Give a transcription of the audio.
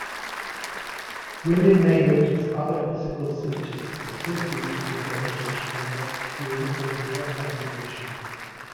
Women may notice other physical symptoms associated with their mittelschmerz, during or near ovulation.